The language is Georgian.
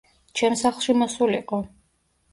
ჩემ სახლში მოსულიყო.